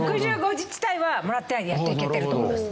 自治体はもらってないでやっていけてると思います。